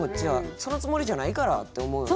そのつもりじゃないから！って思うよな。